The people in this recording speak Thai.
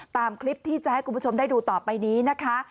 ตามคลิปที่จะให้คุณผู้ชมได้ดูต่อไปนี้นะคะ